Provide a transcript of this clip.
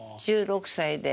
１６歳で。